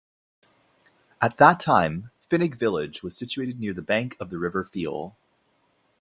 At that time, Finuge village was situated near the bank of the River Feale.